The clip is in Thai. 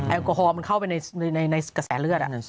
แอลกอฮอลมันเข้าไปในกระแสเลือด